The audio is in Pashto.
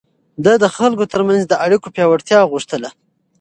ده د خلکو ترمنځ د اړيکو پياوړتيا غوښتله.